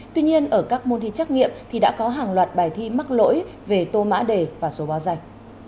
tuy nhiên ở các môn thi trắc nghiệm thì đã có hàng loạt bài thi mắc lỗi về tô mã đề và số báo danh